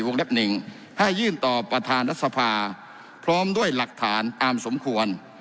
หนึ่งให้ยื่นต่อประธานรัฐสภาพร้อมด้วยหลักฐานอามสมควร